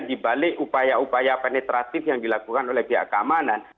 dibalik upaya upaya penetratif yang dilakukan oleh pihak keamanan